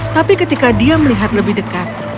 tapi ketika dia melihat lebih dekat